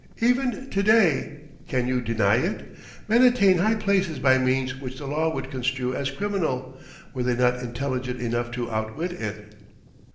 "Even to day can you deny it? men attain high places by means which the law would construe as criminal, were they not intelligent enough to outwit it."